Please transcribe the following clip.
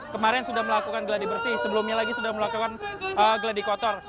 kemarin sudah melakukan gladibersih sebelumnya lagi sudah melakukan gladikotor